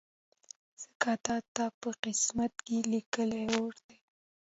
ځکه تاته په قسمت لیکلی اور دی